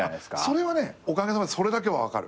それはねおかげさまでそれだけは分かる。